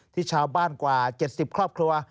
ที่ชาวบ้านกว่า๗๐ครอบครัว